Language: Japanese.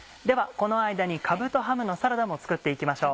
この間にかぶとハムのサラダも作って行きましょう。